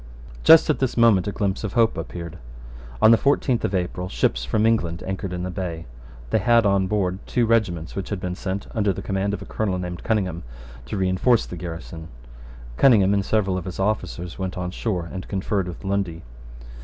Just at this moment a glimpse of hope appeared. On the fourteenth of April ships from England anchored in the bay. They had on board two regiments which had been sent, under the command of a Colonel named Cunningham, to reinforce the garrison. Cunningham and several of his officers went on shore and conferred with Lundy.